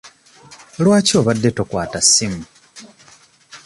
Lwaki obadde tokwata ssimu?